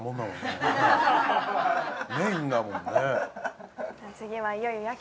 メインだもんね